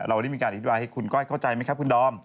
เราได้มีการอธิบายให้คุณก้อยเข้าใจไหมครับคุณดอม